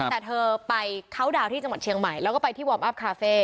แต่เธอไปเข้าดาวน์ที่จังหวัดเชียงใหม่แล้วก็ไปที่วอร์มอัพคาเฟ่